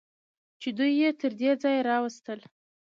چې دوی یې تر دې ځایه راوستل.